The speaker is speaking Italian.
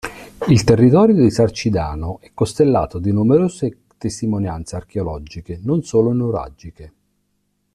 Il territorio del Sarcidano è costellato di numerose testimonianze archeologiche, non solo nuragiche.